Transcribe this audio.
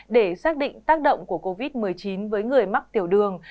để xác định tác động của covid một mươi chín với người mắc tiểu đường